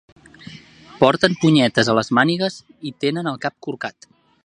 Porten punyetes a les mànigues i tenen el cap corcat.